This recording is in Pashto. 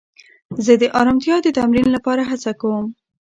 زه د ارامتیا د تمرین لپاره هڅه کوم.